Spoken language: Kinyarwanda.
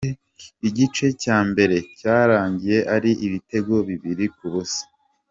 Igice cya mbere cyarangiye ari ibitego bibiri ku busa.